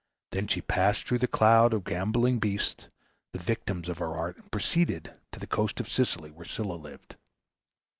Then she passed through the crowd of gambolling beasts, the victims of her art, and proceeded to the coast of Sicily, where Scylla lived.